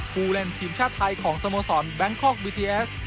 ผู้เล่นทีมชาติไทยของสโมสรแบงคอกบีทีเอส